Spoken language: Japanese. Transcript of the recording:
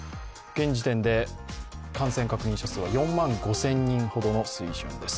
現時点で感染確認者数は４万５０００人ほどの水準です。